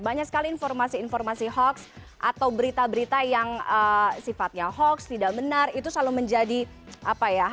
banyak sekali informasi informasi hoax atau berita berita yang sifatnya hoax tidak benar itu selalu menjadi apa ya